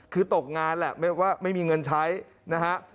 คือตกงานแหละว่าไม่มีเงินใช้นะฮะ